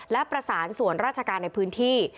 และประสานส่วนราชการในพื้นที่